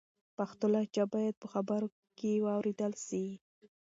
پښتو لهجه باید په خبرو کې و اورېدل سي.